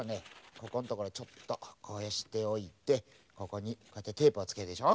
ここんところをちょっとこうしておいてここにこうやってテープをつけるでしょ。